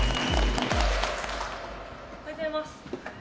おはようございます。